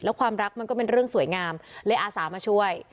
ความรักมันก็เป็นเรื่องสวยงามเลยอาสามาช่วย